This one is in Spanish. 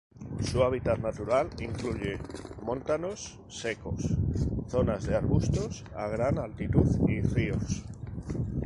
Su hábitat natural incluye montanos secos, zonas de arbustos a gran altitud, y ríos.